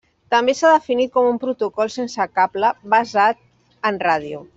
També s'ha definit com un protocol sense cable basat en ràdio.